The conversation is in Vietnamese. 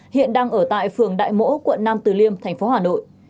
hiện đang ở tại phường đại mỗ quận nam từ liêm thành phố hà nội